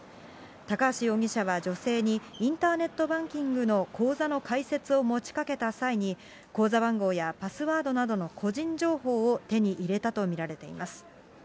高橋容疑者は女性に、インターネットバンキングの口座の開設を持ちかけた際に口座番号やパスワードなどの個人情報を手に入れたと見られています。